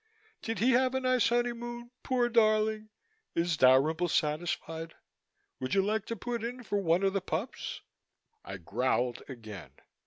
Did he have a nice honeymoon, poor darling? Is Dalrymple satisfied? Would you like to put in for one of the pups?" I growled again.